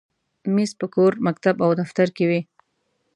مېز په کور، مکتب، او دفتر کې وي.